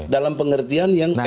dalam pengertian yang sop tadi